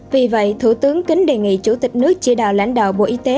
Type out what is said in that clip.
vì vậy thủ tướng kính đề nghị chủ tịch nước chỉ đạo lãnh đạo bộ y tế